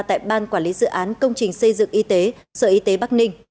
tại ban quản lý dự án công trình xây dựng y tế sở y tế bắc ninh